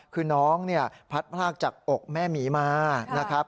คือน้องเนี่ยพัดพลากจากอกแม่หมีมานะครับ